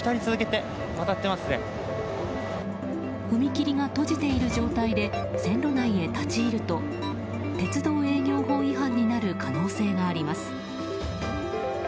踏切が閉じている状態で線路内へ立ち入ると鉄道営業法違反になる可能性があります。